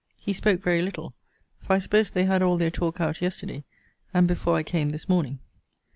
He spoke very little; for I suppose they had all their talk out yesterday, and before I came this morning.